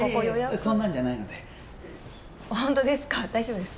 そんなんじゃないのでホントですか大丈夫ですか？